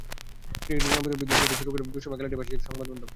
ক্রিকেটের জনপ্রিয়তা বৃদ্ধি থেকে শুরু করে দুঃসময়েও খেলাটির পাশে ছিল সংবাদমাধ্যম।